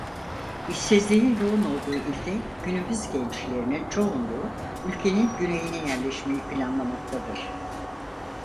İşsizliğin yoğun olduğu ilde günümüz gençlerinin çoğunluğu ülkenin güneyine yerleşmeyi planlamaktadır.